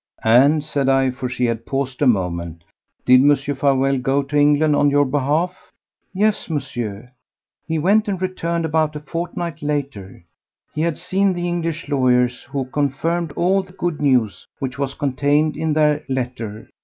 "And," said I, for she had paused a moment, "did Mr. Farewell go to England on your behalf?" "Yes, Monsieur. He went and returned about a fortnight later. He had seen the English lawyers, who confirmed all the good news which was contained in their letter.